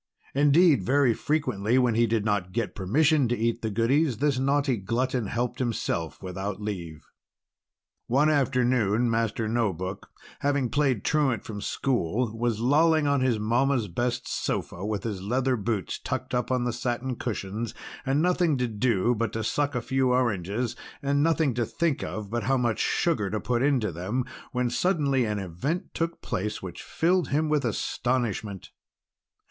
Indeed, very frequently when he did not get permission to eat the goodies, this naughty glutton helped himself without leave. One afternoon Master No Book, having played truant from school, was lolling on his mamma's best sofa, with his leather boots tucked up on the satin cushions, and nothing to do but to suck a few oranges, and nothing to think of but how much sugar to put into them, when suddenly an event took place which filled him with astonishment.